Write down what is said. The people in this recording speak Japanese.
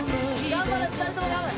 頑張れ２人とも頑張れ。